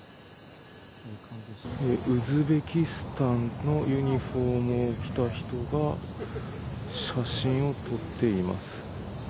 ウズベキスタンのユニホームを着た人が、写真を撮っています。